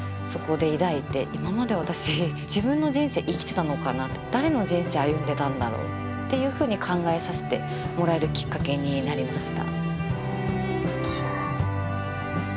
今まで私自分の人生生きてたのかなって誰の人生歩んでたんだろうっていうふうに考えさせてもらえるきっかけになりました。